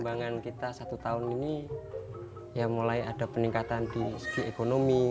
perkembangan kita satu tahun ini ya mulai ada peningkatan di segi ekonomi